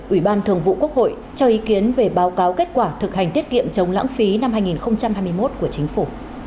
ủy ban thường vụ quốc hội cho ý kiến về báo cáo kết quả thực hành tiết kiệm chống lãng phí năm hai nghìn hai mươi một của chính phủ